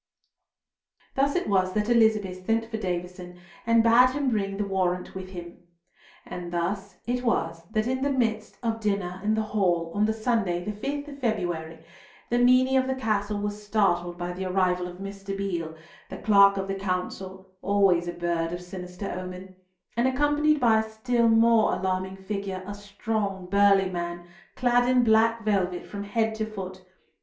Thus it was that Elizabeth sent for Davison, and bade him bring the warrant with him. And thus it was that in the midst of dinner in the hall, on the Sunday, the 5th of February, the meine of the Castle were startled by the arrival of Mr. Beale, the Clerk of the Council, always a bird of sinister omen, and accompanied by a still more alarming figure a strong burly man clad in black velvet from head to foot.